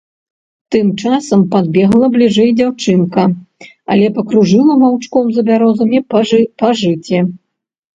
Тым часам падбегла бліжэй дзяўчынка, але пакружыла ваўчком за бярозамі па жыце.